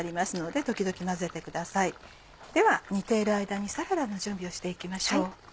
では煮ている間にサラダの準備をして行きましょう。